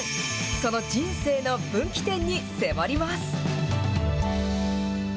その人生の分岐点に迫ります。